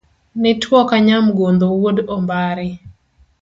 Nituo ka nyamgodho wuod ombare